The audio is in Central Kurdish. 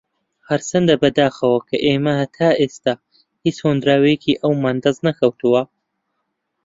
ھەرچەندە بەداخەوە کە ئێمە ھەتا ئێستا ھیچ ھۆنراوەیەکی ئەومان دەست نەکەوتووە